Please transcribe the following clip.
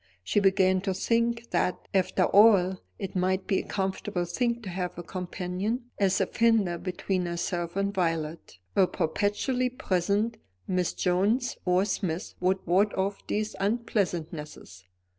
She began to think that, after all, it might be a comfortable thing to have a companion as a fender between herself and Violet. A perpetually present Miss Jones or Smith would ward off these unpleasantnesses.